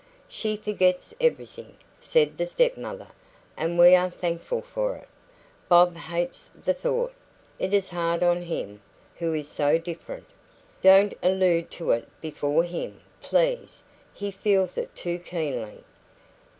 "She forgets everything," said the step mother, "and we are thankful for it. Bob hates the thought; it is hard on him, who is so different. Don't allude to it before him, please; he feels it too keenly.